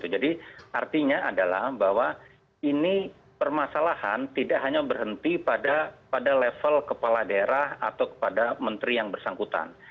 jadi artinya adalah bahwa ini permasalahan tidak hanya berhenti pada level kepala daerah atau kepada menteri yang bersangkutan